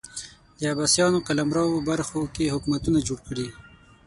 د عباسیانو قلمرو برخو کې حکومتونه جوړ کړي